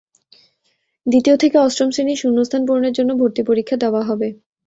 দ্বিতীয় থেকে অষ্টম শ্রেণির শূন্যস্থান পূরণের জন্য ভর্তি পরীক্ষা দেওয়া হবে।